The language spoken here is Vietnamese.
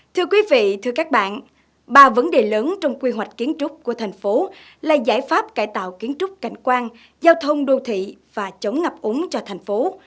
thưa quý vị thưa các bạn ba vấn đề lớn trong quy hoạch kiến trúc của thành phố là giải pháp cải tạo kiến trúc cảnh quan giao thông đô thị và chống ngập úng cho thành phố